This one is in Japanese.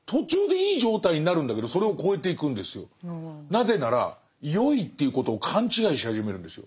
なぜならよいということを勘違いし始めるんですよ。